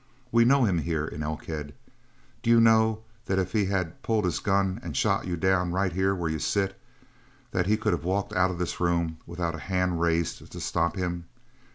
We know him here in Elkhead. Do you know that if he had pulled his gun and shot you down right here where you sit, that he could have walked out of this room without a hand raised to stop him?